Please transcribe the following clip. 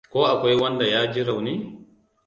Ko akwai wanda ya ji rauni?